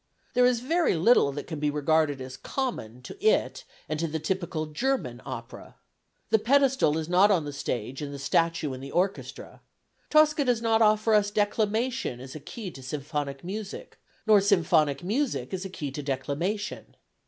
There is very little that can be regarded as common to it and to the typical German opera. The pedestal is not on the stage and the statue in the orchestra. Tosca does not offer us declamation as a key to symphonic music nor symphonic music as a key to declamation.